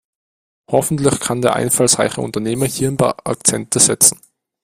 Hoffentlich kann der einfallsreiche Unternehmer hier ein paar Akzente setzen.